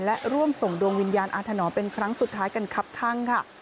และร่วมส่งดวงวิญญาณอาถนอมเป็นครั้งสุดท้ายกันครับข้างค่ะ